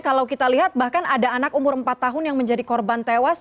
kalau kita lihat bahkan ada anak umur empat tahun yang menjadi korban tewas